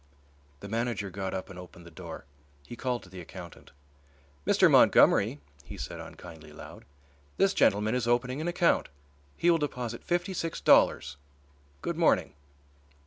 The manager got up and opened the door. He called to the accountant. "Mr. Montgomery," he said unkindly loud, "this gentleman is opening an account, he will deposit fifty six dollars. Good morning."